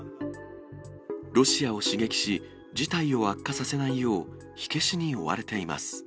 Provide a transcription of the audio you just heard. ロシアを刺激し、事態を悪化させないよう、火消しに追われています。